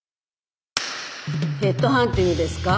ヘッドハンティングですか？